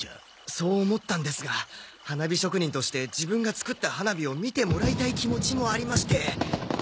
そう思ったんですが花火職人として自分が作った花火を見てもらいたい気持ちもありまして。